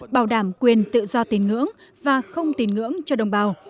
bảo đảm quyền tự do tín ngưỡng và không tin ngưỡng cho đồng bào